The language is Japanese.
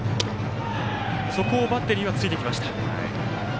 そこをバッテリーはついてきました。